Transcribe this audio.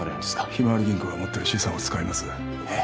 ひまわり銀行が持ってる資産を使いますえっ？